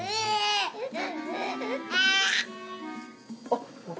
あっ！